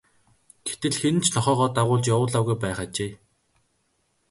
Гэтэл хэн нь ч нохойгоо дагуулж явуулаагүй байх ажээ.